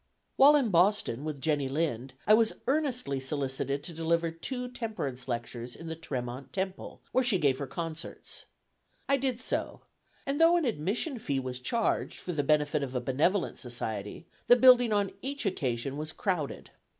While in Boston with Jenny Lind, I was earnestly solicited to deliver two temperance lectures in the Tremont Temple, where she gave her concerts. I did so; and though an admission fee was charged for the benefit of a benevolent society, the building on each occasion was crowded.